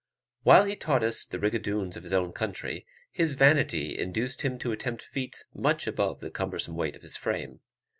While he taught us the rigadoons of his own country, his vanity induced him to attempt feats much above the cumbrous weight of his frame.